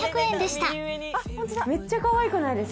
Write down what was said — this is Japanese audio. めっちゃかわいくないですか？